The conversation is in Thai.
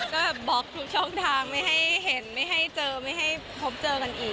ก็บล็อกทุกช่องทางไม่ให้เห็นไม่ให้เจอไม่ให้พบเจอกันอีก